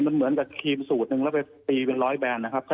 มันเหมือนกับครีมสูตรหนึ่งแล้วไปตีเป็นร้อยแบรนด์นะครับ